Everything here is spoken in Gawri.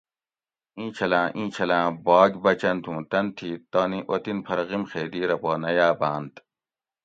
اینچھلاۤں اینچھلاۤں باگ بچنت اُوں تن تھی تانی اوطِن پھر غیم خیدی رہ پا نہ یاۤ باۤنت